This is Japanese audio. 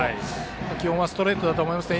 基本はストレートだと思いますね。